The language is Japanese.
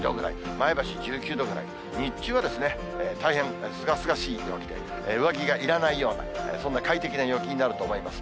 前橋１９度ぐらい、日中は大変すがすがしい陽気で、上着がいらないような、そんな快適な陽気になると思います。